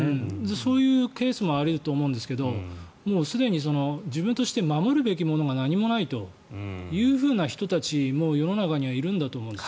そういうケースもあり得ると思うんですがもうすでに自分として守るべきものが何もないという人たちも世の中にはいるんだと思うんです。